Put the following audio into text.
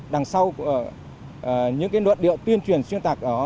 đằng sau những luận điệu tuyên truyền xuyên tạc